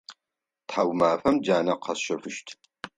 Тхьаумафэм джанэ къэсщэфыщт.